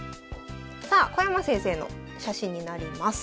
さあ小山先生の写真になります。